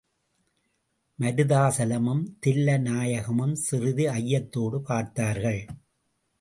மருதாசலமும் தில்லைநாயகமும் சிறிது ஐயத்தோடு பார்த்தார்கள்.